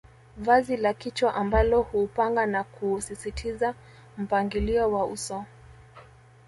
Vazi la kichwa ambalo huupanga na kuusisitiza mpangilio wa uso